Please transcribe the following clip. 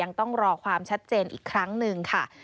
ต้องรอความชัดเจนอีกครั้งหนึ่งค่ะ